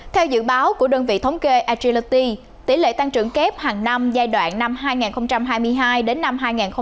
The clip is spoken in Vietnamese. theo dự báo của đơn vị thống kê agrioti tỷ lệ tăng trưởng kép hàng năm giai đoạn năm hai nghìn hai mươi hai đến năm hai nghìn ba mươi